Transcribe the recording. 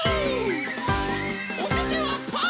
おててはパー！